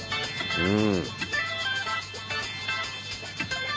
うん。